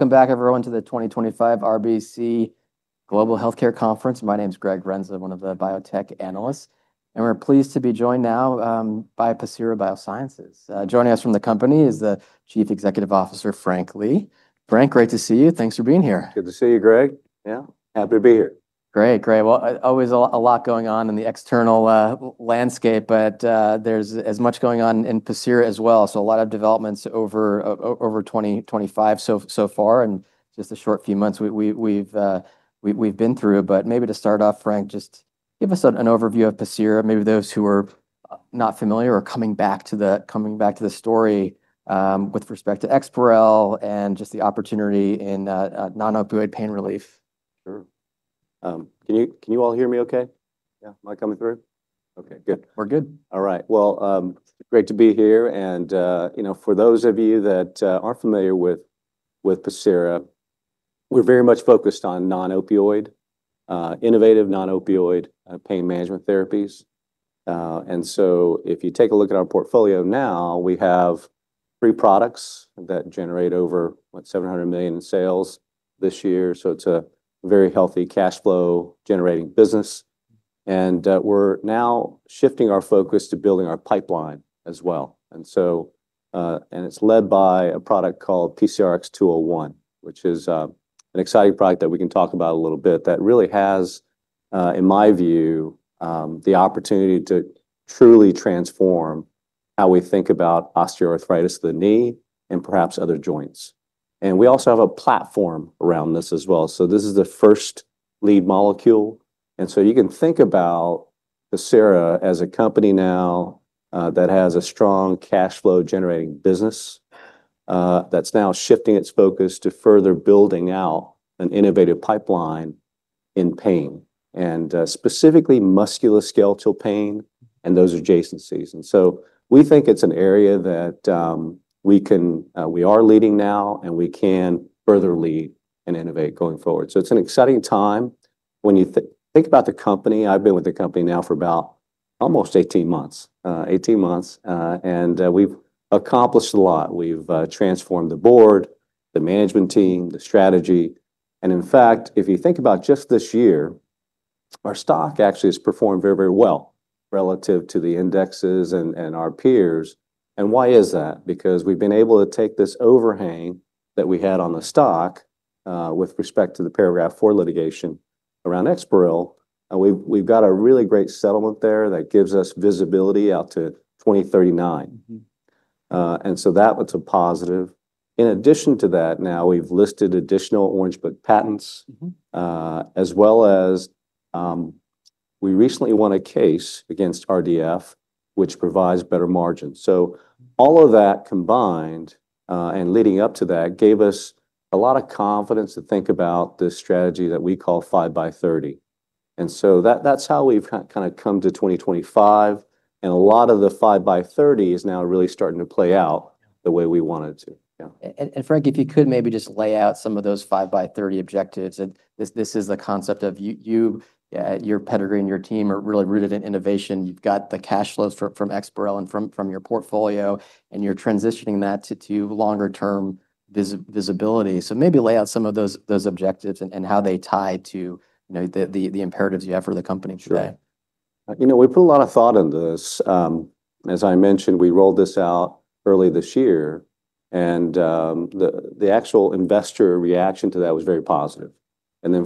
Welcome back, everyone, to the 2025 RBC Global Healthcare Conference. My name is Greg Renza, one of the biotech analysts, and we're pleased to be joined now by Pacira BioSciences. Joining us from the company is the Chief Executive Officer, Frank Lee. Frank, great to see you. Thanks for being here. Good to see you, Greg. Yeah, happy to be here. Great, great. Always a lot going on in the external landscape, but there's as much going on in Pacira as well. A lot of developments over 2025 so far and just a short few months we've been through. Maybe to start off, Frank, just give us an overview of Pacira. Maybe those who are not familiar or coming back to the story with respect to EXPAREL and just the opportunity in non-opioid pain relief. Sure. Can you all hear me okay? Yeah, am I coming through? Okay, good. We're good. All right. Great to be here. For those of you that aren't familiar with Pacira, we're very much focused on non-opioid, innovative non-opioid pain management therapies. If you take a look at our portfolio now, we have three products that generate over $700 million in sales this year. It is a very healthy cash flow generating business. We're now shifting our focus to building our pipeline as well. It is led by a product called PCRX 201, which is an exciting product that we can talk about a little bit that really has, in my view, the opportunity to truly transform how we think about osteoarthritis of the knee and perhaps other joints. We also have a platform around this as well. This is the first lead molecule. You can think about Pacira as a company now that has a strong cash flow generating business that's now shifting its focus to further building out an innovative pipeline in pain, and specifically musculoskeletal pain and those adjacencies. We think it's an area that we are leading now and we can further lead and innovate going forward. It's an exciting time. When you think about the company, I've been with the company now for about almost 18 months. We've accomplished a lot. We've transformed the board, the management team, the strategy. In fact, if you think about just this year, our stock actually has performed very, very well relative to the indexes and our peers. Why is that? Because we've been able to take this overhang that we had on the stock with respect to the Paragraph IV litigation around EXPAREL. We've got a really great settlement there that gives us visibility out to 2039. That is a positive. In addition to that, now we've listed additional Orange Book patents, as well as we recently won a case against RDF, which provides better margins. All of that combined and leading up to that gave us a lot of confidence to think about this strategy that we call 5x30. That is how we've kind of come to 2025. A lot of the 5x30 is now really starting to play out the way we wanted to. Frank, if you could maybe just lay out some of those 5x30 objectives. This is the concept of your pedigree and your team are really rooted in innovation. You've got the cash flows from EXPAREL and from your portfolio, and you're transitioning that to longer-term visibility. Maybe lay out some of those objectives and how they tie to the imperatives you have for the company today. Sure. You know, we put a lot of thought into this. As I mentioned, we rolled this out early this year, and the actual investor reaction to that was very positive.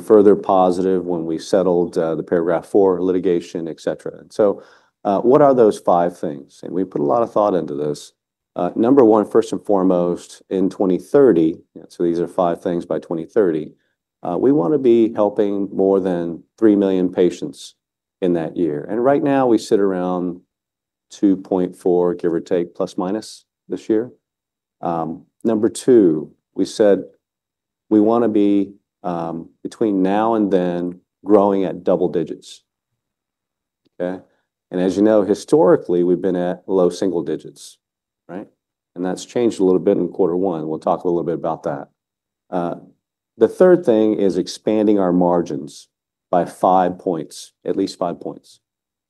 Further positive when we settled the paragraph four litigation, et cetera. What are those five things? We put a lot of thought into this. Number one, first and foremost, in 2030, so these are five things by 2030, we want to be helping more than 3 million patients in that year. Right now we sit around 2.4, give or take, plus minus this year. Number two, we said we want to be between now and then growing at double digits. Okay. As you know, historically, we've been at low single digits, right? That has changed a little bit in quarter one. We'll talk a little bit about that. The third thing is expanding our margins by five percentage points, at least five percentage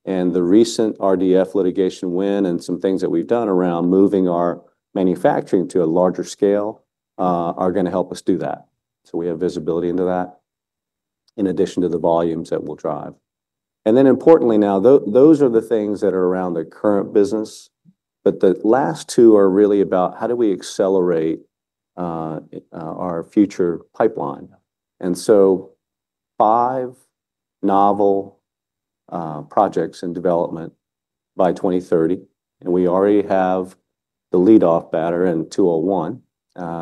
points. The recent RDF litigation win and some things that we've done around moving our manufacturing to a larger scale are going to help us do that. We have visibility into that in addition to the volumes that we'll drive. Importantly now, those are the things that are around the current business. The last two are really about how do we accelerate our future pipeline. Five novel projects in development by 2030. We already have the lead-off batter and 201.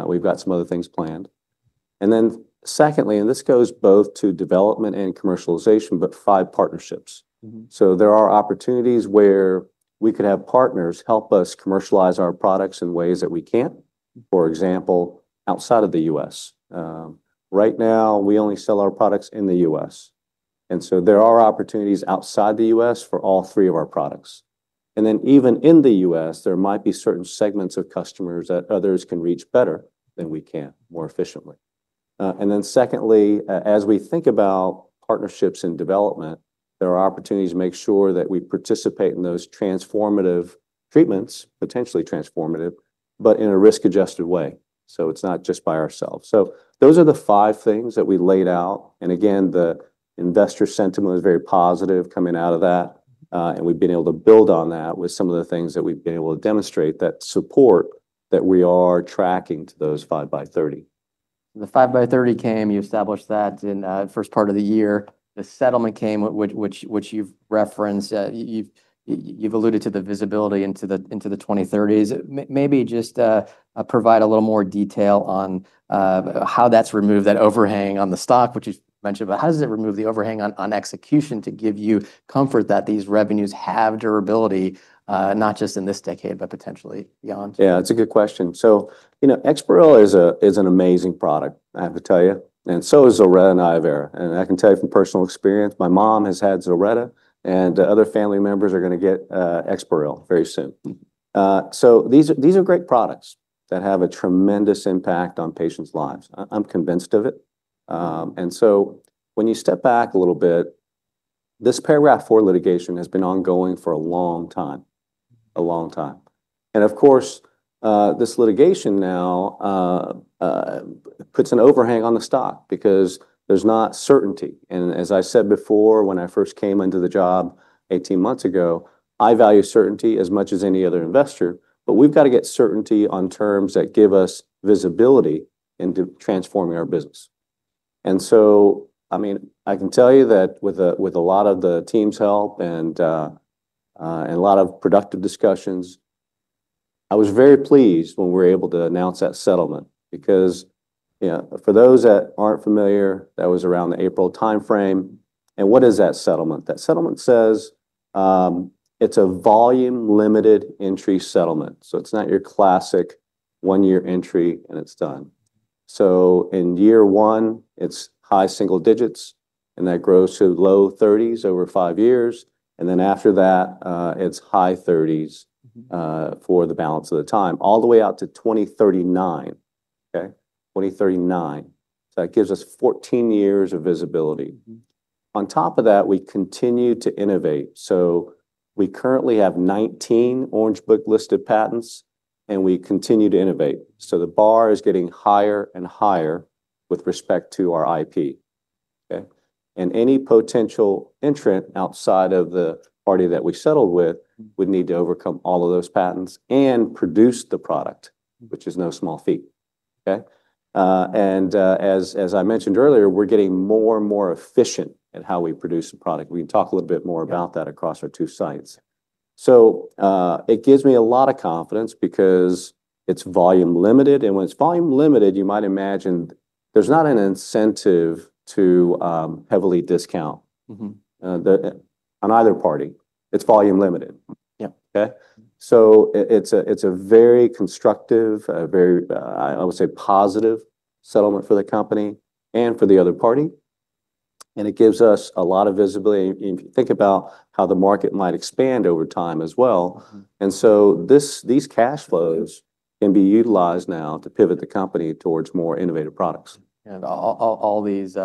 We've got some other things planned. Secondly, and this goes both to development and commercialization, five partnerships. There are opportunities where we could have partners help us commercialize our products in ways that we can't, for example, outside of the U.S. Right now, we only sell our products in the U.S. There are opportunities outside the U.S. for all three of our products. Even in the U.S., there might be certain segments of customers that others can reach better than we can more efficiently. Secondly, as we think about partnerships in development, there are opportunities to make sure that we participate in those transformative treatments, potentially transformative, but in a risk-adjusted way. It is not just by ourselves. Those are the five things that we laid out. The investor sentiment was very positive coming out of that. We have been able to build on that with some of the things that we have been able to demonstrate that support that we are tracking to those 5x30. The 5x30 came, you established that in the first part of the year. The settlement came, which you've referenced. You've alluded to the visibility into the 2030s. Maybe just provide a little more detail on how that's removed, that overhang on the stock, which you mentioned, but how does it remove the overhang on execution to give you comfort that these revenues have durability, not just in this decade, but potentially beyond? Yeah, that's a good question. EXPAREL is an amazing product, I have to tell you. And so is ZILRETTA and iovera. I can tell you from personal experience, my mom has had ZILRETTA, and other family members are going to get EXPAREL very soon. These are great products that have a tremendous impact on patients' lives. I'm convinced of it. When you step back a little bit, this Paragraph IV litigation has been ongoing for a long time, a long time. Of course, this litigation now puts an overhang on the stock because there's not certainty. As I said before, when I first came into the job 18 months ago, I value certainty as much as any other investor, but we've got to get certainty on terms that give us visibility into transforming our business. I mean, I can tell you that with a lot of the team's help and a lot of productive discussions, I was very pleased when we were able to announce that settlement because for those that aren't familiar, that was around the April timeframe. What is that settlement? That settlement says it's a volume-limited entry settlement. It's not your classic one-year entry and it's done. In year one, it's high single digits and that grows to low 30s over five years. After that, it's high 30s for the balance of the time, all the way out to 2039. 2039. That gives us 14 years of visibility. On top of that, we continue to innovate. We currently have 19 Orange Book-listed patents, and we continue to innovate. The bar is getting higher and higher with respect to our IP. Any potential entrant outside of the party that we settled with would need to overcome all of those patents and produce the product, which is no small feat. Okay. As I mentioned earlier, we're getting more and more efficient at how we produce the product. We can talk a little bit more about that across our two sites. It gives me a lot of confidence because it's volume-limited. When it's volume-limited, you might imagine there's not an incentive to heavily discount on either party. It's volume-limited. Yeah. Okay. It is a very constructive, very, I would say, positive settlement for the company and for the other party. It gives us a lot of visibility. If you think about how the market might expand over time as well. These cash flows can be utilized now to pivot the company towards more innovative products. All these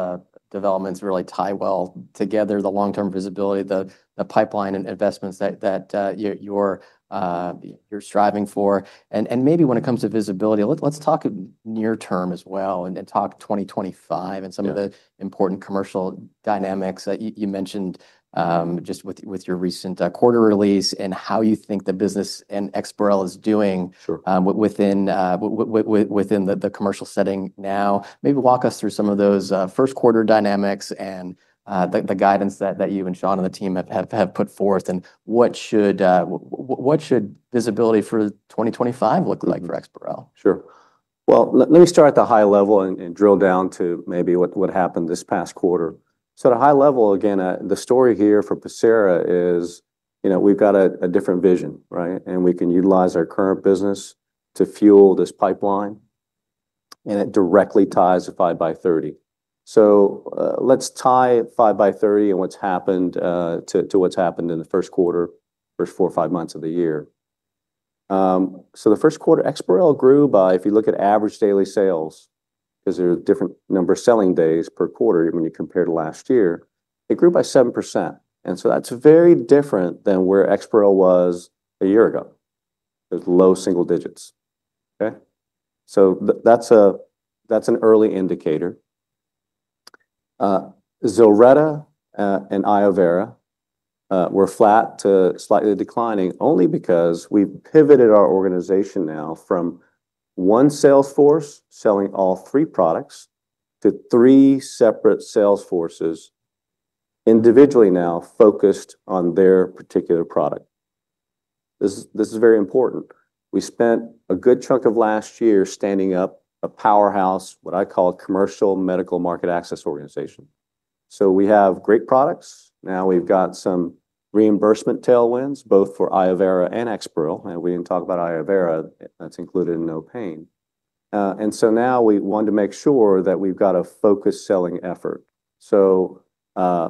developments really tie well together, the long-term visibility, the pipeline and investments that you're striving for. Maybe when it comes to visibility, let's talk near-term as well and talk 2025 and some of the important commercial dynamics that you mentioned just with your recent quarter release and how you think the business and EXPAREL is doing within the commercial setting now. Maybe walk us through some of those first quarter dynamics and the guidance that you and Shawn and the team have put forth and what should visibility for 2025 look like for EXPAREL? Sure. Let me start at the high level and drill down to maybe what happened this past quarter. At a high level, again, the story here for Pacira is we've got a different vision, right? We can utilize our current business to fuel this pipeline. It directly ties to 5x30. Let's tie 5x30 and what's happened to what's happened in the first quarter, first four or five months of the year. The first quarter, EXPAREL grew by, if you look at average daily sales, because there are different number of selling days per quarter when you compare to last year, it grew by 7%. That's very different than where EXPAREL was a year ago. There is low single digits. Okay. That's an early indicator. Zilretta and iovera were flat to slightly declining only because we've pivoted our organization now from one sales force selling all three products to three separate sales forces individually now focused on their particular product. This is very important. We spent a good chunk of last year standing up a powerhouse, what I call a commercial medical market access organization. We have great products. Now we've got some reimbursement tailwinds both for iovera and EXPAREL. We did not talk about iovera. That is included in no pain. Now we wanted to make sure that we've got a focused selling effort.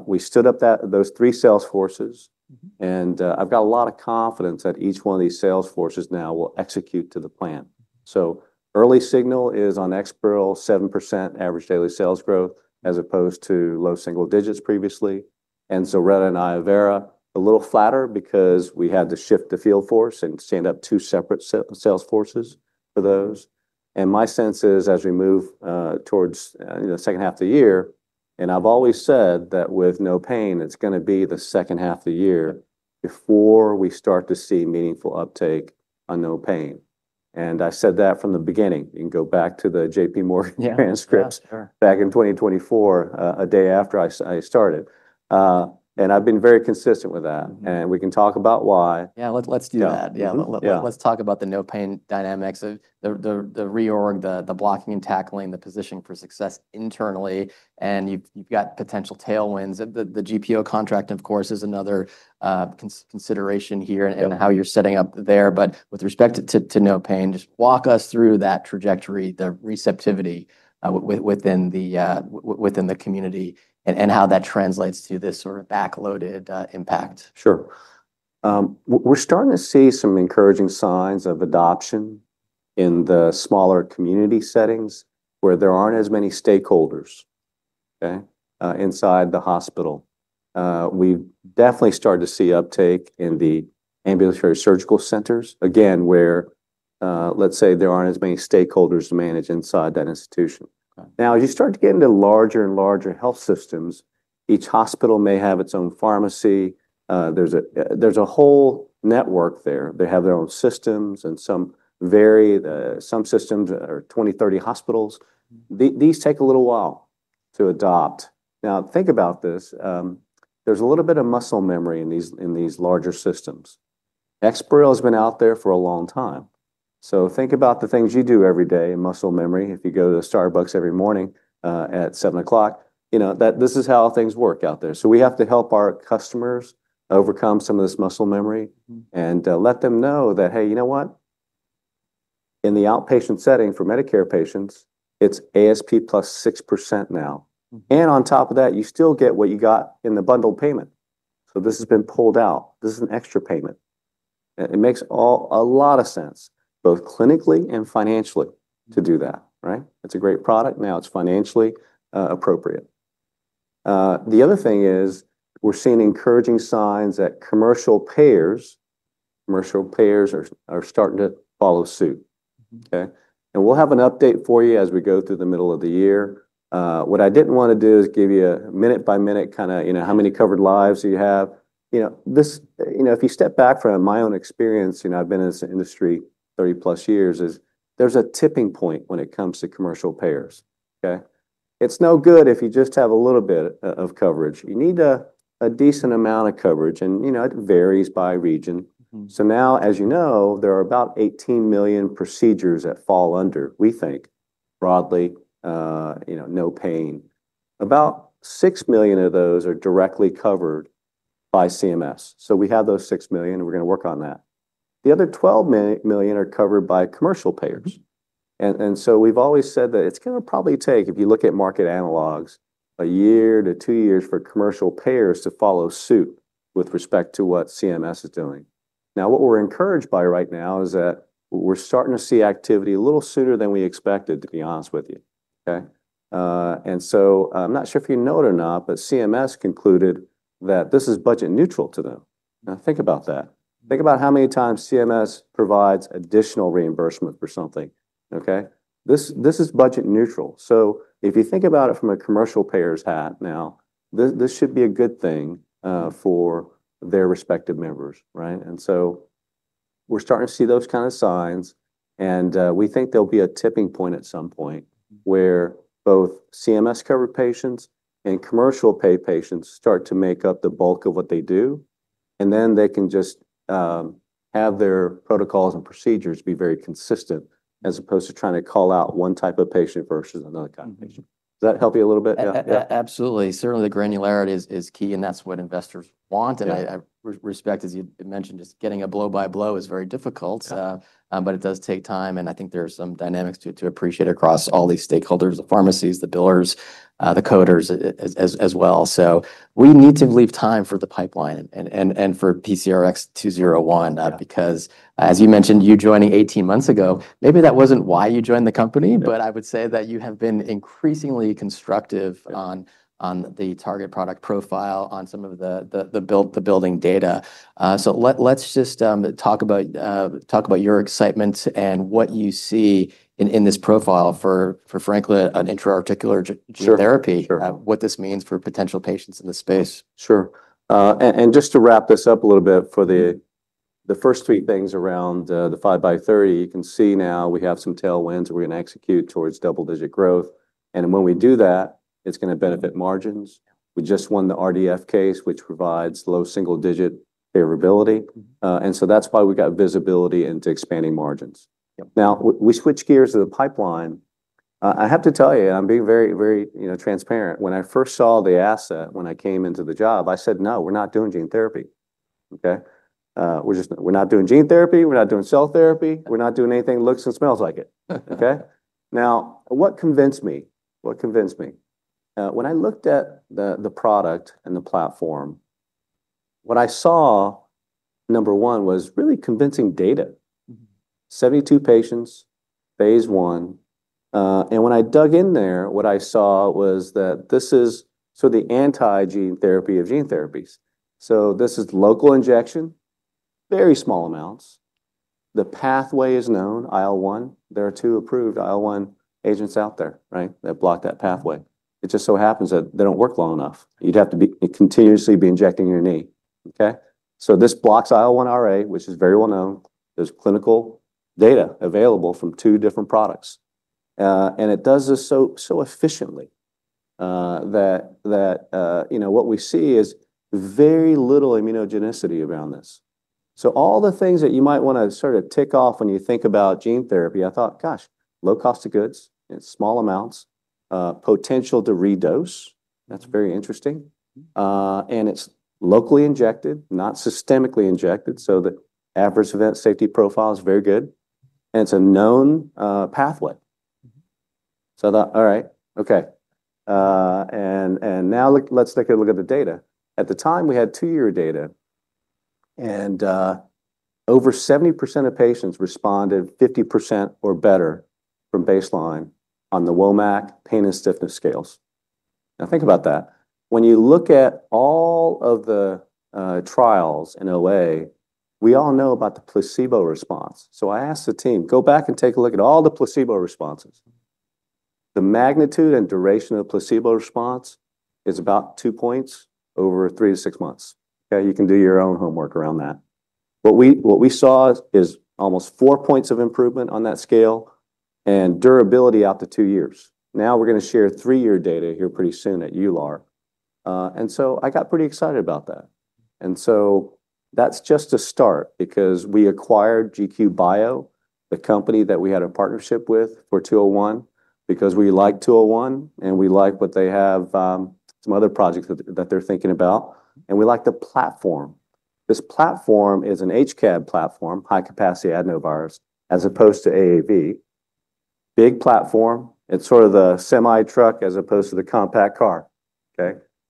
We stood up those three sales forces. I have a lot of confidence that each one of these sales forces now will execute to the plan. Early signal is on EXPAREL, 7% average daily sales growth as opposed to low single digits previously. ZILRETTA and iovera, a little flatter because we had to shift the field force and stand up two separate sales forces for those. My sense is as we move towards the second half of the year, and I've always said that with no pain, it's going to be the second half of the year before we start to see meaningful uptake on no pain. I said that from the beginning. You can go back to the JPMorgan transcript back in 2024, a day after I started. I've been very consistent with that. We can talk about why. Yeah, let's do that. Yeah. Let's talk about the no pain dynamics, the reorg, the blocking and tackling, the positioning for success internally. You have got potential tailwinds. The GPO contract, of course, is another consideration here and how you are setting up there. With respect to no pain, just walk us through that trajectory, the receptivity within the community and how that translates to this sort of backloaded impact. Sure. We're starting to see some encouraging signs of adoption in the smaller community settings where there aren't as many stakeholders, okay, inside the hospital. We've definitely started to see uptake in the ambulatory surgical centers, again, where let's say there aren't as many stakeholders to manage inside that institution. Now, as you start to get into larger and larger health systems, each hospital may have its own pharmacy. There's a whole network there. They have their own systems and some systems are 20 hospitals-30 hospitals. These take a little while to adopt. Now, think about this. There's a little bit of muscle memory in these larger systems. EXPAREL has been out there for a long time. So think about the things you do every day, muscle memory. If you go to Starbucks every morning at 7:00 A.M., you know that this is how things work out there. We have to help our customers overcome some of this muscle memory and let them know that, hey, you know what? In the outpatient setting for Medicare patients, it's ASP + 6% now. On top of that, you still get what you got in the bundled payment. This has been pulled out. This is an extra payment. It makes a lot of sense, both clinically and financially to do that, right? It's a great product. Now it's financially appropriate. The other thing is we're seeing encouraging signs that commercial payers, commercial payers are starting to follow suit. Okay. We'll have an update for you as we go through the middle of the year. What I didn't want to do is give you a minute-by-minute kind of, you know, how many covered lives do you have? You know, this, you know, if you step back from my own experience, you know, I've been in this industry 30 plus years, there's a tipping point when it comes to commercial payers. Okay. It's no good if you just have a little bit of coverage. You need a decent amount of coverage. And, you know, it varies by region. Now, as you know, there are about 18 million procedures that fall under, we think, broadly, you know, no pain. About 6 million of those are directly covered by CMS. We have those 6 million, and we're going to work on that. The other 12 million are covered by commercial payers. We've always said that it's going to probably take, if you look at market analogs, a year to two years for commercial payers to follow suit with respect to what CMS is doing. Now, what we're encouraged by right now is that we're starting to see activity a little sooner than we expected, to be honest with you. Okay. I'm not sure if you know it or not, but CMS concluded that this is budget neutral to them. Now, think about that. Think about how many times CMS provides additional reimbursement for something. This is budget neutral. If you think about it from a commercial payer's hat now, this should be a good thing for their respective members, right? We're starting to see those kinds of signs. We think there'll be a tipping point at some point where both CMS-covered patients and commercial-paid patients start to make up the bulk of what they do. They can just have their protocols and procedures be very consistent as opposed to trying to call out one type of patient versus another kind of patient. Does that help you a little bit? Absolutely. Certainly, the granularity is key. That is what investors want. I respect, as you mentioned, just getting a blow-by-blow is very difficult. It does take time. I think there are some dynamics to appreciate across all these stakeholders, the pharmacies, the billers, the coders as well. We need to leave time for the pipeline and for PCRX 201 because, as you mentioned, you joining 18 months ago, maybe that was not why you joined the company, but I would say that you have been increasingly constructive on the target product profile on some of the building data. Let's just talk about your excitement and what you see in this profile for, frankly, an intra-articular therapy, what this means for potential patients in the space. Sure. Just to wrap this up a little bit for the first three things around the 5x30, you can see now we have some tailwinds that we're going to execute towards double-digit growth. When we do that, it's going to benefit margins. We just won the RDF case, which provides low single-digit favorability. That's why we got visibility into expanding margins. Now, we switch gears to the pipeline. I have to tell you, I'm being very, very transparent. When I first saw the asset, when I came into the job, I said, "No, we're not doing gene therapy." Okay. We're not doing gene therapy. We're not doing cell therapy. We're not doing anything that looks and smells like it. Okay. Now, what convinced me? What convinced me? When I looked at the product and the platform, what I saw, number one, was really convincing data. Seventy-two patients, phase one. When I dug in there, what I saw was that this is sort of the anti-gene therapy of gene therapies. This is local injection, very small amounts. The pathway is known, IL-1. There are two approved IL-1 agents out there, right, that block that pathway. It just so happens that they do not work long enough. You would have to continuously be injecting your knee. Okay. This blocks IL-1 Ra, which is very well known. There is clinical data available from two different products. It does this so efficiently that, you know, what we see is very little immunogenicity around this. All the things that you might want to sort of tick off when you think about gene therapy, I thought, gosh, low cost of goods and small amounts, potential to redose. That is very interesting. It is locally injected, not systemically injected. The adverse event safety profile is very good. And it's a known pathway. I thought, all right, okay. Now let's take a look at the data. At the time, we had two-year data. Over 70% of patients responded 50% or better from baseline on the WOMAC pain and stiffness scales. Now, think about that. When you look at all of the trials in OA, we all know about the placebo response. I asked the team, go back and take a look at all the placebo responses. The magnitude and duration of the placebo response is about two points over three to six months. Okay. You can do your own homework around that. What we saw is almost four points of improvement on that scale and durability out to two years. Now we're going to share three-year data here pretty soon at EULAR. I got pretty excited about that. That is just a start because we acquired GQ Bio, the company that we had a partnership with for 201 because we like 201 and we like what they have, some other projects that they are thinking about. We like the platform. This platform is an HCAb platform, high-capacity adenovirus, as opposed to AAV. Big platform. It is sort of the semi-truck as opposed to the compact car.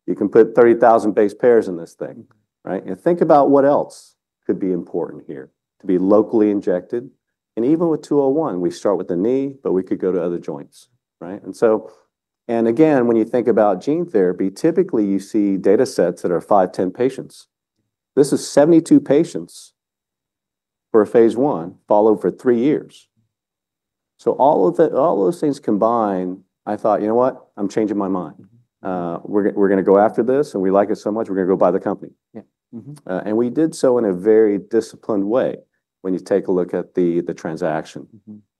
You can put 30,000 base pairs in this thing, right? Think about what else could be important here to be locally injected. Even with 201, we start with the knee, but we could go to other joints, right? Again, when you think about gene therapy, typically you see data sets that are 5, 10 patients. This is 72 patients for a phase one followed for three years. All of those things combined, I thought, you know what? I'm changing my mind. We're going to go after this and we like it so much. We're going to go buy the company. We did so in a very disciplined way. When you take a look at the transaction,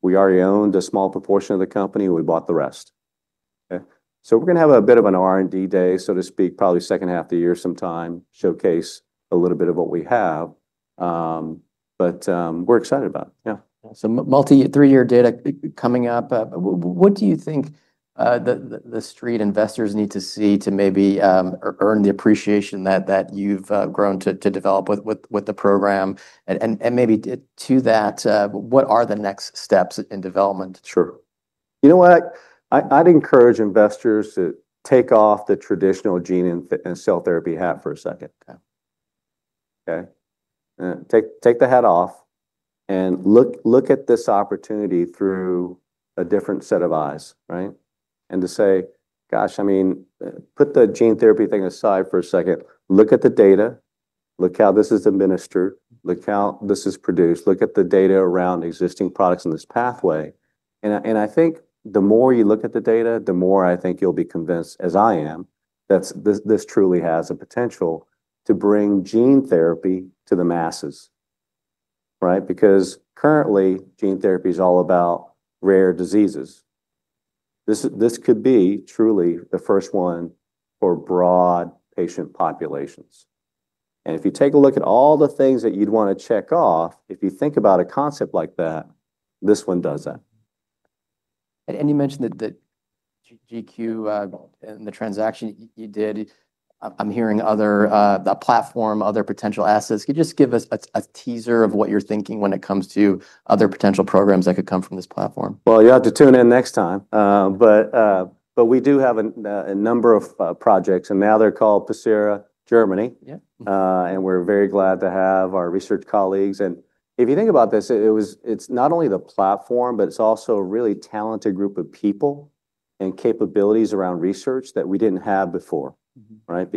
we already owned a small proportion of the company. We bought the rest. Okay. We're going to have a bit of an R&D day, so to speak, probably second half of the year sometime, showcase a little bit of what we have. We're excited about it. Yeah. Multi-three-year data coming up. What do you think the street investors need to see to maybe earn the appreciation that you've grown to develop with the program? Maybe to that, what are the next steps in development? Sure. You know what? I'd encourage investors to take off the traditional gene and cell therapy hat for a second. Okay. Take the hat off and look at this opportunity through a different set of eyes, right? To say, gosh, I mean, put the gene therapy thing aside for a second. Look at the data. Look how this is administered. Look how this is produced. Look at the data around existing products in this pathway. I think the more you look at the data, the more I think you'll be convinced, as I am, that this truly has a potential to bring gene therapy to the masses, right? Because currently, gene therapy is all about rare diseases. This could be truly the first one for broad patient populations. If you take a look at all the things that you'd want to check off, if you think about a concept like that, this one does that. You mentioned that GQ and the transaction you did. I'm hearing other platform, other potential assets. Can you just give us a teaser of what you're thinking when it comes to other potential programs that could come from this platform? You will have to tune in next time. We do have a number of projects. Now they are called Pacira Germany. We are very glad to have our research colleagues. If you think about this, it is not only the platform, but it is also a really talented group of people and capabilities around research that we did not have before, right?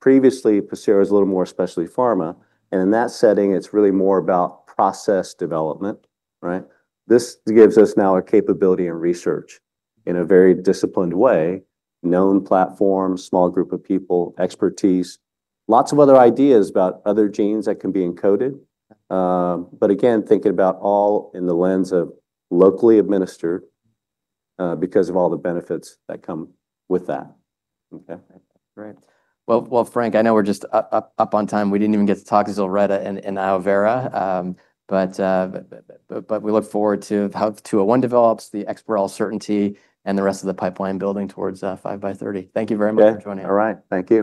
Previously, Pacira was a little more especially pharma. In that setting, it is really more about process development, right? This gives us now a capability in research in a very disciplined way. Known platform, small group of people, expertise, lots of other ideas about other genes that can be encoded. Again, thinking about all in the lens of locally administered because of all the benefits that come with that. Okay. Great. Frank, I know we're just up on time. We didn't even get to talk to ZILRETTA and iovera. We look forward to how 201 develops, the EXPAREL certainty, and the rest of the pipeline building towards 5x30. Thank you very much for joining. All right. Thank you.